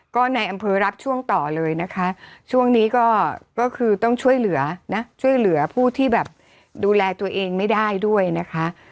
ก็ในอำเภอรับช่วงต่อเลยนะคะช่วงนี้ก็คือต้องช่วยเหลือนะช่วยเหลือผู้ที่แบบดูแลตัวเองไม่ได้ด้วยนะคะ